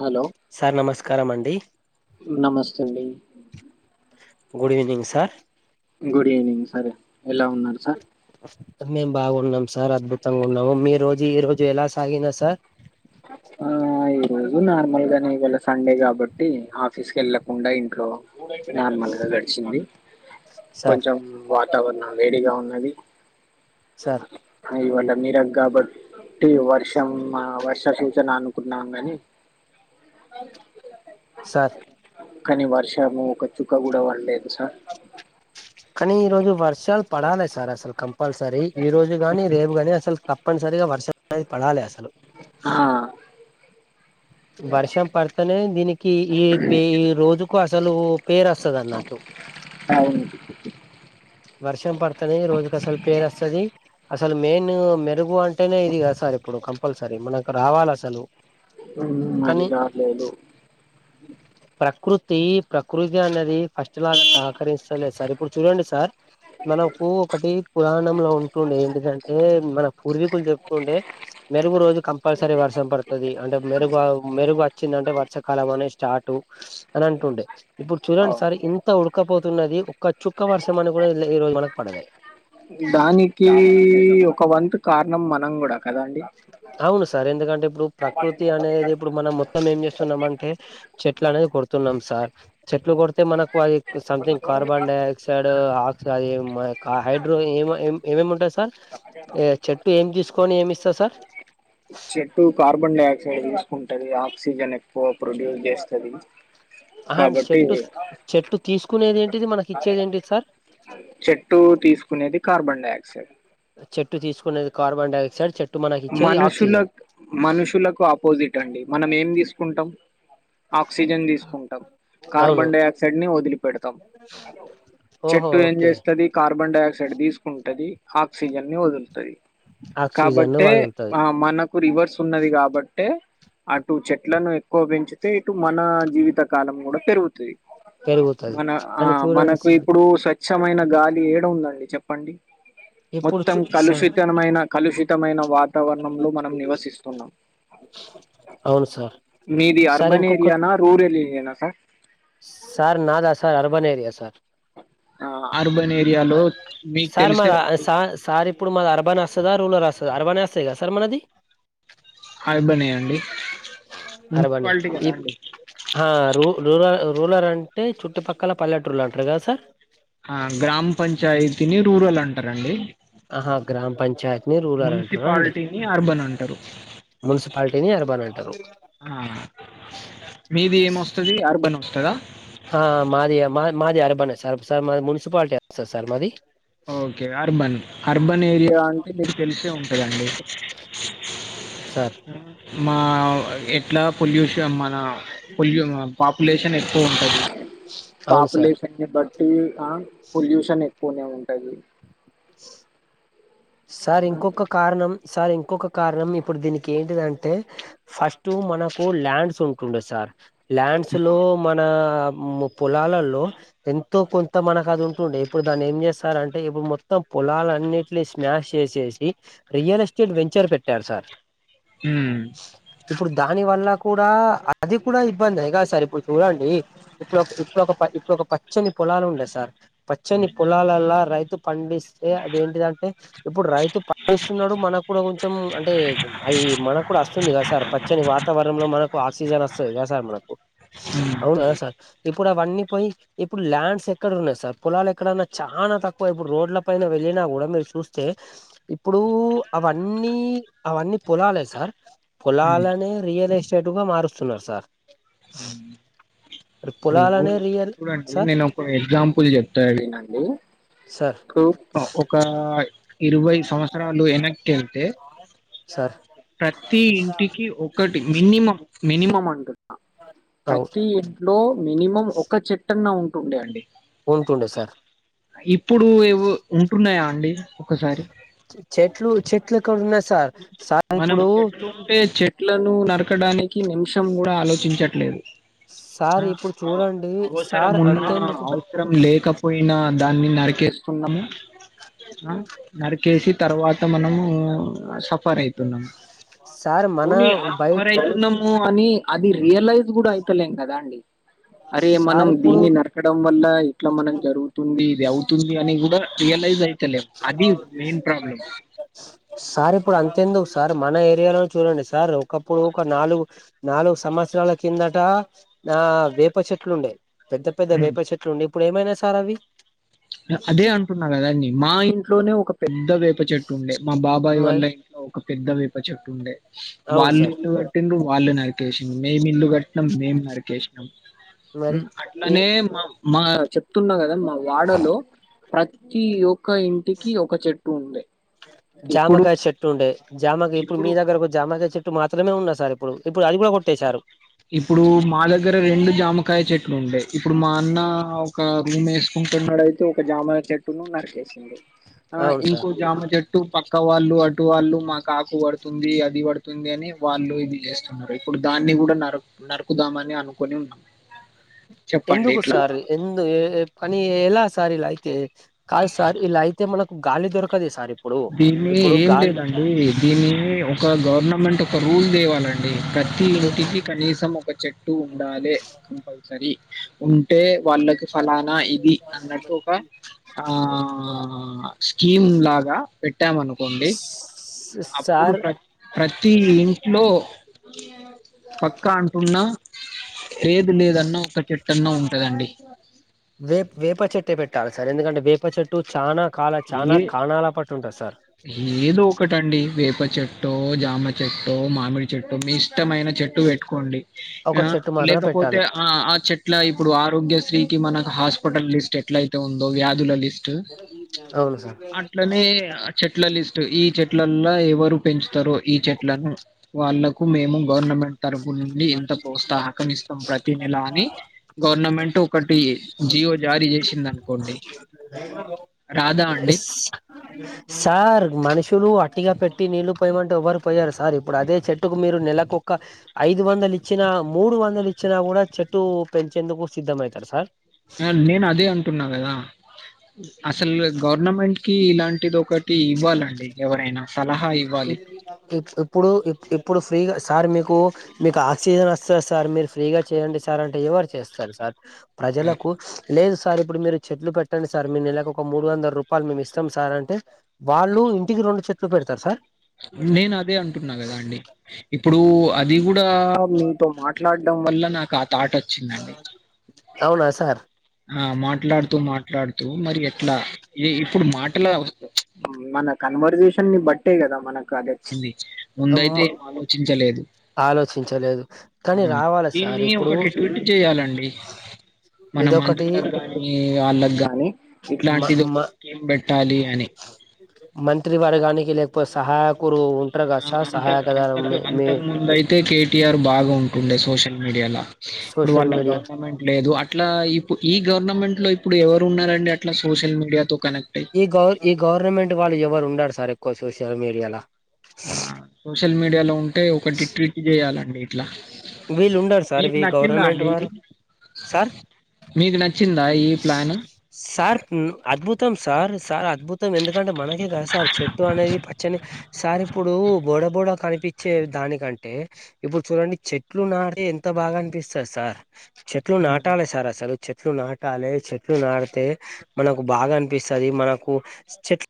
Hello sir నమస్కారం అండి నమస్తే అండి good evening sir good evening సరే ఎలా ఉన్నారు సార్ మేం బాగున్నాం సార్ అద్భుతంగున్నము మీ రోజు ఈ రోజు ఎలా సాగినా సార్ ఆ ఈ రోజు నార్మల్ గానే ఇయాళ సండే గాబట్టి ఆఫీస్ కెళ్ళకుండా ఇంట్లో నార్మల్ గా గడిచింది సార్ కొంచెం వాతావరణం వేడిగా ఉన్నది సార్ అ ఇవాళ మీరగ్గా బట్టి వర్షమ్ ఆ వర్ష్ తక్షించన అనుకున్నాం గనీ సార్ కానీ వర్షము ఒక చుక్క గూడా వడలేదు సార్ కానీ ఈ రోజు వర్షాల్ పడాలే సార్ అసలు కంపల్సరీ ఈ రోజు గాని రేపు గాని అసల్ తప్ తప్పనిసరిగా వర్షం నే పడాలె అసలు ఆ వర్షం పడితేనే దీనికి ఈ పే ఈ రోజుకు అసలు పేర్ అస్తదన్నట్టు అవును వర్షం పడుతనే ఈ రోజుకసల్ పేరస్తది అసలు మెయిన్ మెరుగు అన్ టేనే ఇది గా సార్ ఇప్పుడు కంపల్సరీ మనకు రావాలసలు ఉ అది దార్ లేదు ప్రకృతి ప్రకృతి అన్నది ఫస్ట్ లా సహకరిస్తలేద్ సార్ ఇప్పుడు చూడండి సార్ మనకు ఒకటి పురాణంలో ఉంటుండే ఎంటిదంటే మన పూర్వీకులు చెప్తుండే మెరుగు రోజు కంపల్సరీ వర్షం పడతది అంటే మెరుగు అ మెరుగు అచ్చిందంటే వర్షాకాలం అనే స్టార్టు అన్ అంటుండే ఇప్పుడు చూడండి అవును సార్ ఇంత ఉడకపోతున్నది ఒక్క చుక్క వర్షం అని కూడా లె ఈ రోజ్ మనక్ పడలె దానికి ఒక వంతు కారణం మనం గూడా అవును సార్ ఎందుకంటే ఇప్పుడు ప్రకృతి అనేది ఇప్పుడు మనం మనం ఏం చేస్తున్నామంటే చెట్లు అనేది కొడుతున్నాం సార్ చెట్లు కొడితే మనకు అది సంథింగ్ కార్బన్ డైఆక్సైడ్ ఆక్స హైడ్రో ఏమో ఏ ఏమేముంటాయి సార్ ఏ చెట్టు ఏమి తీసుకొని ఏమిస్ [inaudible] చెట్టు కార్బన్ డయాక్సైడ్ తీసుకుంటది ఆక్సిజన్ ఎక్కువ ప్రొడ్యూస్ చేస్తాది ఆ చెట్టు చెట్టు తీసుకునేదెంటిది మనకిచ్చేదెంటిది సార్ చెట్టు తీసుకునేది కార్బన్ డయాక్సైడ్ చెట్టు తీసుకునేది కార్బన్ డయాక్సైడ్ చెట్ మనుషులక్ మనుషులకు ఆపోజిట్ అండి మనమేం తీసుకుంటాం ఆక్సిజన్ తీసుకుంటాం అవును కార్బన్ డయాక్సైడ్ ని వదిలిపెడతాం ఓహో చెట్టు ఏం ఓకే చేస్తాది కార్బన్ డయాక్సైడ్ తీసుకుంటది ఆక్సిజన్ ని వదులుతది ఆక్సిజన్ ని కాబట్టే వదులుతాది మనకు రివర్స్ ఉన్నది కాబట్టే అటు చెట్లను ఎక్కువ పెంచితే ఇటు మన జీవిత కాలం కూడా పెరుగుతది పెరుగుతది మన ఆ కానీ చూడండి మనకు సార్ ఇప్పుడు స్వచ్ఛమైన గాలి ఏడ ఉందండి చెప్పండి ఇప్పుడు మొత్తం చూ సార్ కలుషితమైన కలుషితమైన వా వాతావరణంలో మనం నివసిస్తున్నాం అవును సార్ మీది సార్ అర్బన్ ఇంకొక ఏరియానా రూరల్ ఏరియానా సార్ సార్ నాదా సార్ అర్బన్ ఏరియా సార్ ఆ అర్బన్ అ ఏరియాలో మీకు సార్ మా తెలిసే ఉంటది సార్ సారి ఇప్పుడు మాదర్బన్ అస్తదా రూరల్ అస్తద అర్బనే అస్తది కద సార్ మనది అర్బనే అండి అర్బనే మున్సిపాలిటీ కదా ఈ అండి ఆ రు లుల రూలర్ అంటే చుట్టుపక్కల పల్లెటూల్లంటరు కదా సార్ ఆ గ్రామ పంచాయతిని రూరల్ అంటారండి ఆహా గ్రామ పంచాయతీని రూరల్ అంటరా అండి మున్సిపాలిటీని అర్బన్ అంటారు మున్సిపాలిటీని అర్బన్ అంటరు ఆ మీది ఏమొస్తది అర్బనొస్తదా హ మాది మా మాది అరబనే సార్ సార్ మాది మున్సిపాలిటీ వస్తది సార్ మాది ఓకే అర్బన్ అర్బన్ ఏరియా అంటే మీకు తెలిసే ఉంటదండి సార్ మా ఎట్లా పొల్యూష మన పొయ్యు పాపులే ఎక్కువ ఉంటది అవును సార్ పాపులేషన్ ని బట్టి ఆ పొల్యూషన్ ఎక్కువనే ఉం అయి స్ సార్ ఆ, ఇంకొక కారణం సార్ ఇంకొక కారణం ఇప్పుడు దీనికెంటిదంటే ఫస్ట్ మనకు ల్యాండ్స్ ఉంటుండే సార్ ల్యాండ్స్ లో మన పొలాలల్లో ఎంతో కొంత మనకు అది ఉంటుండే ఇప్పుడు దాన్నేం చేస్తారంటే ఇప్పుడు మొత్తం పొలాలన్నింటిసి స్నాష్ చేసేసి రియల్ ఎస్టేట్ వెంచర్ పెట్టారు సార్ హ్మ్మ్ ఇప్పుడు దాని వల్ల కూడా అది కూడా ఇబ్బందేగా సార్ ఇప్పుడు చూడండి ఇప్పుడొక్ ఇప్పుడొక ప ఇప్పుడొక పచ్చని పొలాలు ఉండే సార్ పచ్చని ఉమ్ పొలాలల్లా రైతు పండిస్తే అదేంటిదంటే ఇప్పుడు రైతు ప వస్తున్నాడు మనకు కూడా కొంచెం అంటే అది మనకు కూడా వస్తుంది కదా సార్ పచ్చని వాతావరణంలో మనకు ఆక్సిజన్ వస్తది కదా సార్ మనకు ఉమ్ అవునా సార్ ఇప్పుడు ఆవన్నీ పోయి ఇప్పుడు ల్యాండ్స్ ఎక్కడున్నాయి సార్ పొలాలు ఎక్కడన్నా చాన తక్కువ ఇప్పుడు రోడ్ల పైన వెళ్ళిన కూడా మీరు చూస్తే ఇప్పుడూ అవన్నీ అవన్ని పొలాలే సార్ పొలాలనే రియల్ ఏస్టేటు గా మారుస్తున్నారు సార్ ఆమ్ ఇప్పుడు పొలాలనే రియల్ చూడండి సార్ నేను కొన్ని ఎగ్జాంపుల్ చెప్తాడు వినండి సార్ కు ఒక ఇరవై సంవత్సరాలు ఎన్నకి వెళ్తే సార్ ప్రతి ఇంటికి ఒకటి మినిమం మినిమం ఉంటది అవు ప్రతి ఇంట్లో మినిమం ఒక చెట్టన్నా ఉంటుండె అండి ఉంటుండె సార్ ఇప్పుడు ఏవో ఉంటున్నాయా అండి ఒకసారి చెట్లు చెట్లక్కడున్నై సార్ సార్ మనం ఇప్పుడు చెట్లు ఉంటే చెట్లను నరకడానికి నిమిషం కూడా ఆలోచించట్లేదు అ సార్ ఇప్పుడు అ చూడండి అవసర సార్ మున్న ఔ అంతెందుకు అవసరం లేకపోయినా దాన్ని నరికేస్తున్నము అ నరికేసి తర్వాత మనము సఫర్ అయితున్నాం సార్ మన పోని సఫర్ బయట్ అయితున్నాము అని అది రియలైజ్ కూడా అయితలేం కదా అండి అయ్యో [unintelligible] అరే మనం సార్ ఇప్పుడు దీన్ని నరకడం వల్ల ఇట్ల మనం జరుగుతుంది ఇది అవుతుంది అని కూడా రియలైజ్ అయితలేము [unintelligible] సార్ ఇప్పుడు అంతెందుకు సార్ మన ఏరియాలో చూడండి సార్ ఒకప్పుడు ఒక నాలుగు నాలుగు సంవత్సరాల కిందట నా వే వేప చెట్లు ఉండేయి పెద్ద పెద్ద వేప చెట్లు ఉండేయి ఇప్పుడు ఏమైనాయి సార్ అవి అదే అంటున్నా కదా అండి మా ఇంట్లోనే ఒక పెద్ద వేప చెట్టు ఉండే మా బాబాయ్ వాళ్ళ మరి ఇంట్లో ఒక పెద్ద వేప చెట్టు ఉండే అవును వాళ్ళు సార్ ఇల్లు కట్టిండు వాళ్ళు నరికేసిండు మేము ఇల్లు కట్టినాం మేము నరికేసినాం మరి ఉమ్ ఈ అట్లానే మా మా చెప్తున్నా కదా మా వాడలో ప్రతి ఒక్క ఇంటికి ఒక చెట్టు ఉండే ఇప్పుడు జామకాయ చెట్టు ఉండే జామకు ఇప్పుడు మీ దగ్గరకు ఒక జామకాయ చెట్టు మాత్రమే ఉన్నాయి సార్ ఇప్పుడు ఇప్పుడు అది కూడా కొట్టెసారు ఇప్పుడు మా దగ్గర దగ్గర రెండు జామకాయ చెట్లు ఉండాయి ఇప్పుడు మా అన్న ఒక రూమ్ వేసుకుంటున్నాడయితే ఒక జామ చెట్టు చెట్టును నరకేసిండు ఆ అవును ఇంకో సార్ జామ చేట్టు అటు పక్క వాళ్ళు అటు వాళ్ళు మాకు ఆకు పడుతుంది అది పడుతుంది అని వాళ్ళు ఇది చేస్తున్నారు మరి ఇప్పుడు దాన్ని కూడా నరు నరుకుదామని అనుకుని ఉన్నాం చెప్పండి ఎందుకు ఇట్లా సార్ ఎందు ఏ పని ఎలా సార్ ఇలా అయితే కాదు సార్ ఇలా అయితే మనకు గాలి దొరకదు ఇగ సార్ ఇప్పుడు దీన్ని ఇప్పుడు ఏం గాలి లేదండి దీన్ని ఒక గవర్నమెంట్ ఒక రూల్ తేవాలండి అ ప్రతి ఇంటికి కనీసం ఒక చెట్టు ఉండాలె కంపల్సరీ ఉ అంటే వాళ్ళకి ఫలానా ఇది అన్నట్టు ఒక ఆ ఆ స్కీమ్ లాగా పెట్టాం అనుకోండి అప్పుడు సార్ ప్ర ప్రతి ఇంట్లో పక్కా అంటున్నా ఏది లేదన్న ఒక చెట్టన్న ఉంటదండి. వే వేప చెట్టే పెట్టాలి సార్ ఎందుకంటే వేప చెట్టు చానా కాలా చానా ఏ కణాల పటు ఉంటది సార్. ఏదో ఒకటండి వేప చెట్టు, జామ చెట్టు మామిడి చెట్టు మీ ఇష్టమైన చెట్టు పెట్టుకోండి ఒక ఆ చెట్టు మాత్రం లేకపోతే పెట్టాలి ఆ ఆ చెట్టు ఇట్లా ఇప్పుడు ఆరోగ్యశ్రీకి మనకు హాస్పిటల్ లిస్ట్ ఎట్ల అయితే ఉందో వ్యాధుల లిస్ట్ అవును సార్ అట్లనే ఆచెట్ల లిస్ట్ ఈ చెట్లల్లో ఎవరు పెంచుతారు ఈ చెట్లను వాళ్ళకు మేము గవర్నమెంట్ తరపు నుండి ఇంత ప్రోత్సాహకం ఇస్తాం ప్రతి నెల అని గవర్నమెంట్ ఒకటి జిఓ జారీ చేసింది అనుకోండి. హలో ష్ సార్ మనుషులు అట్టిగా పెట్టి నీళ్ళు పోయమంటే ఎవ్వరు పోయరు సార్ ఇప్పుడు అదే చెట్టుకు మీరు నెలకొక్క ఐదు వందలు ఇచ్చిన, మూడు వందలు ఇచ్చినా కూడా చెట్టు పెంచేందుకు సిద్ధమైతారు సార్. నేన్ నేను అదే అంటున్నా కదా అసలు గవర్నమెంట్ కి ఇలాంటిది ఒకటి ఇవ్వాలండి ఎవరైనా సలహా ఇవ్వాలి. ఇప్ ఇప్పుడు ఇప్పుడు ఫ్రీగా సార్ మీకు మీకు ఆక్సిజన్ వస్తది సార్, మీరు ఫ్రీగా చేయండి సార్ అంటే ఎవరు చేస్తారు సార్ అదే. ప్రజలకు లేదు సార్ ఇప్పుడు మీరు చెట్లు పెట్టండి సార్ మీ నెలకు ఒక మూడు వందల రూపాయలు మేము ఇస్తాం సార్ అంటే? వాళ్ళు ఇంటికి రెండు చెట్లు పెడతారు సార్ నేను అదే అంటున్నా కదా అండి ఇప్పుడు అది కూడా మీతో మాట్లాడ్డం వల్ల నాకు ఆ థాట్ వచ్చిందండి. అవునా సార్ అ మాట్లాడుతూ మాట్లాడుతూ మరి ఎట్లా ఈ ఇప్పుడు మాటలు వ మన కన్వర్జేషన్ ని బట్టే కదా మనకు అదే చింది అమ్మ ముందైతే ఆలోచించలేదు. ఆలోచించలేదు కానీ ఆ! రావాలి సార్ దీన్ని ఇప్పుడు ఒకటి ట్వీట్ చేయాలండి మన మంత్రి ఇదొకటి వర్గానికి, వాళ్ళకి గాని మ ఇట్లాంటిది మ ఒక స్కీమ్ పెట్టాలి అని మంత్రి వర్గానికి లేకపోతే సహాయకులు ఉంటారు కదా ఆ, సార్ సహాయకదారు మి మీ అయితే కేటీఆర్ బాగా ఉంటుండే సోషల్ మీడియాలో ఇప్పుడు సోషల్ వాళ్ళ మీడియా గవర్నమెంట్ లేదు అట్లా ఇ ఇప్పు ఈ గవర్నమెంట్ లో ఇప్పుడు ఎవరు ఉన్నారండి అట్లా సోషల్ మీడియాతో కనెక్ట్ అయ్యి ఈ గౌ ఈ గవర్నమెంట్ వాళ్ళు ఎవరు ఉండడు సార్ ఎక్కువ సోషల్ మీడియాల ఆ సోషల్ మీడియాలో ఉంటే ఒకటి ట్వీట్ చేయాలండి ఇట్లా వీళ్ళు ఉండరు సార్ మీకు వి నచ్చిందా గవర్నమెంట్ అండి ఇది? వారు సార్ మీకు నచ్చిందా ఈ ప్లాన్? సార్ మ్ అద్భుతం సార్ సార్ అద్భుతం ఎందుకంటే మనకే కదా సార్ చెట్టు అనేది పచ్చని సార్ ఇప్పుడు బోడబోడ కనిపించే దానికంటే ఇప్పుడు చూడండి చెట్లు నాటితే ఎంత బాగా అనిపిస్తాది సార్ చెట్లు హ్మ్. నాటాలె సార్ అసలు చెట్లు నా టాలె చెట్లు నాడితే మనకు బాగా అనిపిస్తాది మనకు చెట్ల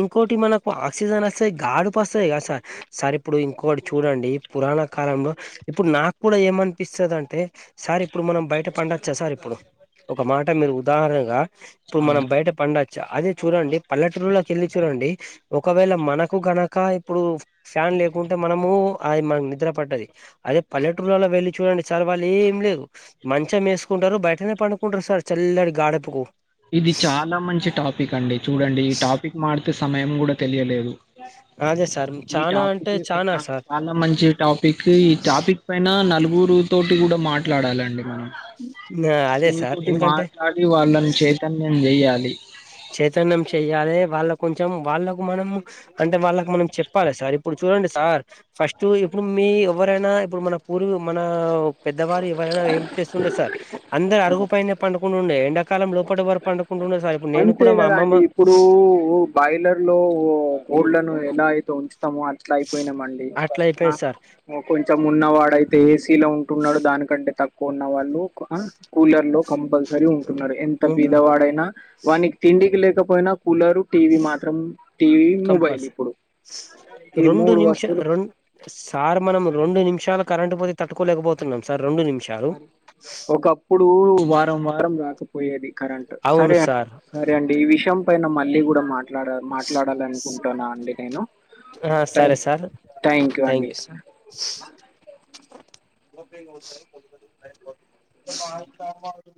ఇంకోటి మనకు ఆక్సిజన్ వస్తాయి, గాడుపుస్తాయి కద సార్ సార్ ఇప్పుడు ఇంకోటి చూడండి పురాణ కాలంలో ఇప్పుడు నాకు కూడా ఏమనిపిస్తది అంటే? సార్ ఇప్పుడు మనం బయట పండచ్చా సార్ ఇప్పుడు ఒక మాట మీరు ఉదాహరణగా ఇప్పుడు మనం అవును. బయట పండ అదే చూడండి పల్లెటూరులోకి వెళ్ళి చూడండి ఒకవేళ మనకు గనక ఇప్పుడు ఫ్యాన్ లేకుంటే మనము అది మనకు నిద్ర పట్టది అదే పల్లెటూరులలో వెళ్లి చూడండి సార్ వాళ్ళు ఏం లేదు మంచం వేసుకుంటారు బయటనే పడు కుంటరు సార్ చల్లాడి గాడపుకు ఇది చాలా మంచి టాపిక్ అండి చూడండి. ఈ టాపిక్ మాడితే సమయం కూడా తెలియలేదు. అదే సార్ ఈ చానా టాపిక్ అంటే చానా సార్ చాలా మంచి టాపిక్ ఈ టాపిక్ పైన నలుగురు తోటి కూడా మాట మాట్లాడాలండి మనం అదే సార్ [unintelligible] ఎందుకంటే మాట్లాడి వాళ్ళని చే చైతన్యం చెయ్యాలి చైతన్యం చెయ్యాలి వాళ్ళ కొంచెం వాళ్ళకు మనం అంటే వాళ్ళకి మనం చెప్పాల సార్ ఇప్పుడు చూడండి సార్ ఫస్ట్ ఇప్పుడు మీ ఎవరైనా ఇప్పుడు మన పూర్వ మన పెద్దవారు ఎవరైనా ఏం చేస్తుండే సార్ అందరు అరుగుపైనే పండుకుంటు ఉండే ఎండాకాలం లోపటేవరూ పడుకుంటుండే సార్ ఇప్పుడు నేను అంతే కూడా మా కదా అండి అమ్మమ్మ ఇప్పుడు బాయిలర్ లో ఓ కోళ్ళను ఎలా అయితే ఉంచుతామో అ అట్లా అయిపోయినామండి అట్లా అయిపోయింది సార్ కొంచెం ఉన్నవాడయితే ఏసీలో ఉంటున్నాడు. దానికంటే తక్కువ ఉన్న వాళ్ళు ఆ కూలర్ లో కంపల్సరీ ఉంటున్నారు. ఎంత ఉంటున్నా బీదవాడైనా వానికు తిండికి లేకపోయినా కూలరు టీవీ మాత్రం టీవీ మొబైల్ కంపల్సరీ ఇప్పుడు ఈ రెండు మూడు నిమిష వస్తువులు రెం సార్ మనం రెండు నిమిషాలు కరెంట్ పోతే తట్టుకోలేకపోతున్నాం సార్ రెండు నిమిషాలు ఇప్పుడు వారం వారం రాకపోయేది కరెంట్ సరే అవును అండి సార్ సరే అండి ఈ విషయం పైన మళ్ళీ కూడా మాట్లాడ మాట్లాడాల అనుకుంటున్నా అండి నేను ఆ సరే సార్ థ్యాంక్ యూ అండి [unintelligible] [unintelligible]